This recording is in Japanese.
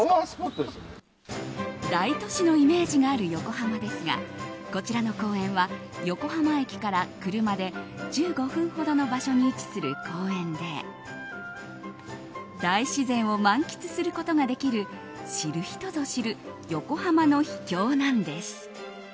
大都市のイメージがある横浜ですがこちらの公園は、横浜駅から車で１５分ほどの場所に位置する公園で大自然を満喫することができる知る人ぞ知る横浜の秘境なんです。